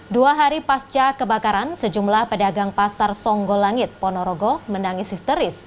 dua hari pasca kebakaran sejumlah pedagang pasar songgolangit ponorogo menangis histeris